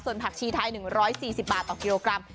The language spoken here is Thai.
ส่วนผักชีไทย๑๔๐บาทต่อกิโลกรัม